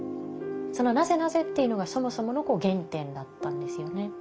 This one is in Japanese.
その「なぜ？なぜ？」っていうのがそもそもの原点だったんですよね。